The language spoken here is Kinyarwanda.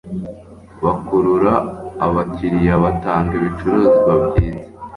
bakurura abakiriya batanga ibicuruzwa byiza